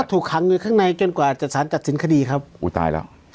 ถูกขังอยู่ข้างในจนกว่าจะสารตัดสินคดีครับอุ้ยตายแล้ว